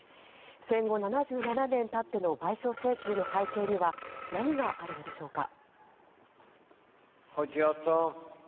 戦後７７年たっての賠償請求の背景には何があるのでしょうか。